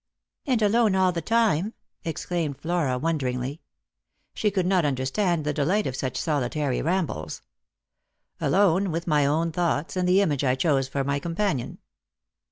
"And alone all the time?" exclaimed Flora wonderingly. She could not understand the delight of such solitary rambles. 166 Lost for Love. " Alone — with my own thoughts — and the image I chose for my companion."